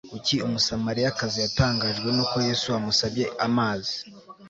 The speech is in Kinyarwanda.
kuki umusamariyakazi yatangajwe n'uko yesu amusabye amazi